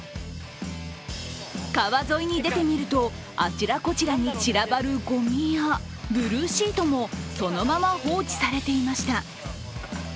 川沿いに出てみると、あちらこちらに散らばるごみやブルーシートもそのまま放置されていました。